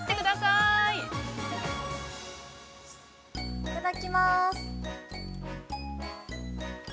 ◆いただきます。